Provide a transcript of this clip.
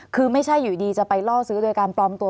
คือไม่ใช่อยู่ดีจะไปล่อซื้อโดยการปลอมตัว